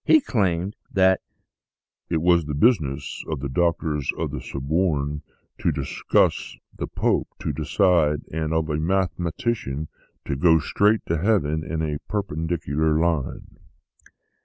He claimed that " it was the business of the Doctors of the Sorbonne to discuss, of the Pope to decide, and of a mathematician to go straight to heaven in a per pendicular line!